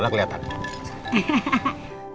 nanti kelihatan botolnya